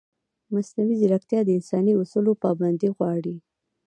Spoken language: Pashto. مصنوعي ځیرکتیا د انساني اصولو پابندي غواړي.